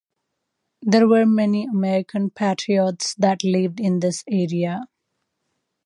There were many American Patriots that lived in this area.